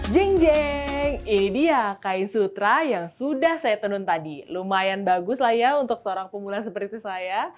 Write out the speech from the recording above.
jinjeng ini dia kain sutra yang sudah saya tenun tadi lumayan bagus lah ya untuk seorang pemula seperti saya